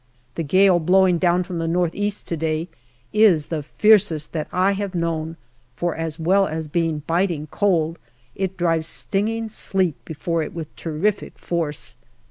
The gale blowing from the north east to day is the fiercest that I have known, for, as well as being biting cold, it drives stinging sleet before it with terrific force.